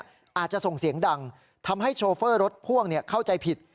อาจจะส่งเสียงดังทำให้โชเฟอร์รถพ่วงเข้าใจผิด